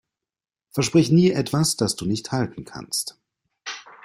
Versprich nie etwas, das du nicht halten kannst.